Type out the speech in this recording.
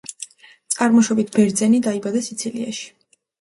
წარმოშობით ბერძენი დაიბადა სიცილიაში.